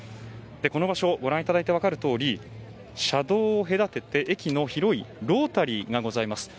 この場所ご覧いただいて分かるように車道を隔てて駅の広いロータリーがございます。